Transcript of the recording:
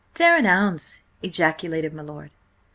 "Tare an' ouns!" ejaculated my lord.